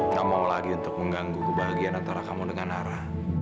gak mau lagi untuk mengganggu kebahagiaan antara kamu dengan ara